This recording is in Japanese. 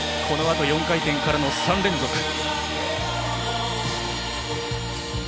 このあと４回転からの３連続。